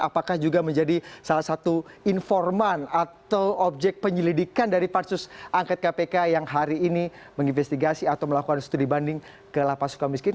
apakah juga menjadi salah satu informan atau objek penyelidikan dari pansus angket kpk yang hari ini menginvestigasi atau melakukan studi banding ke lapas suka miskin